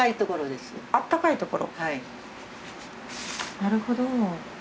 なるほど。